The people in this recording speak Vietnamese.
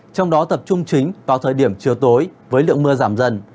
trong đó tập trung chính vào thời điểm chiều tối với lượng mưa giảm dần